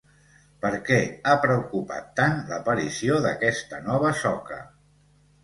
Per què ha preocupat tant l’aparició d’aquesta nova soca?